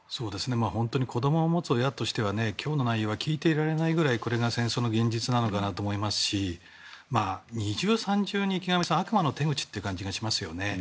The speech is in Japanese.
本当に子供を持つ親としては今日の内容は聞いていられないぐらいこれが戦争の現実なのかと思いますし二重、三重に悪魔の手口って感じがしますね。